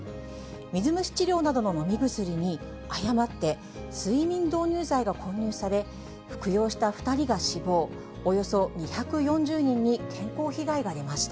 水虫治療などの飲み薬に、誤って睡眠導入剤が混入され、服用した２人が死亡、およそ２４０人に健康被害が出ました。